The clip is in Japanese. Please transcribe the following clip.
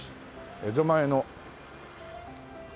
江戸前の。